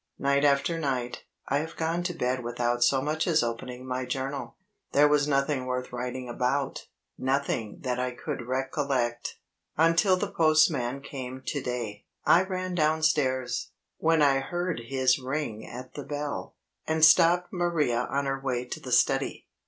Night after night, I have gone to bed without so much as opening my Journal. There was nothing worth writing about, nothing that I could recollect, until the postman came to day. I ran downstairs, when I heard his ring at the bell, and stopped Maria on her way to the study.